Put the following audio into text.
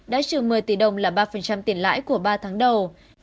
đã trừ một mươi tỷ đồng là ba tiền lãi của ba tháng đầu